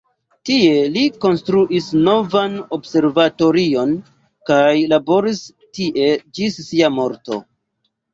Tie li konstruis novan observatorion kaj laboris tie ĝis sia morto.